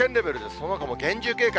そのほかも厳重警戒。